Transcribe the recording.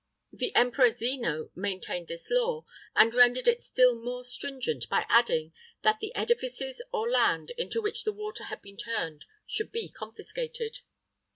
[III 36] The Emperor Zeno[III 37] maintained this law, and rendered it still more stringent by adding, that the edifices or land into which the water had been turned should be confiscated.